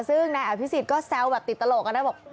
ซึ่งนายอาทิสิตก็แซวติดตลกกันแล้วบอก